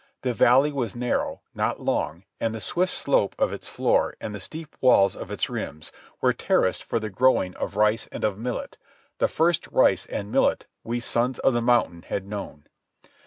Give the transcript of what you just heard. The valley was narrow, not long, and the swift slope of its floor and the steep walls of its rim were terraced for the growing of rice and of millet—the first rice and millet we Sons of the Mountain had known.